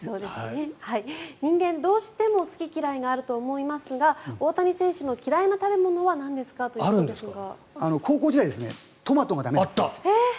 人間どうしても好き嫌いがあると思いますが大谷選手の嫌いな食べ物はなんですか？ということですが。